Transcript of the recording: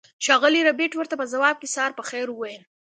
ښاغلي ربیټ ورته په ځواب کې سهار په خیر وویل